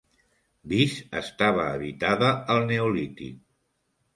Vis estava habitada al Neolític.